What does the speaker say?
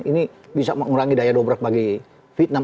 ini bisa mengurangi daya dobrak bagi vietnam